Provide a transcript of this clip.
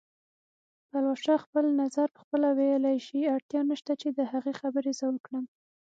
پلوشه خپل نظر پخپله ویلی شي، اړتیا نشته چې د هغې خبرې زه وکړم